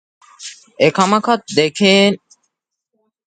އެކަމަކަށް ދެއްކޭނޭ ޢުޛުރެއް ވެސް ނޯންނާނެ